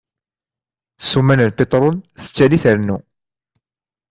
Ssuma n pitrul tettali trennu.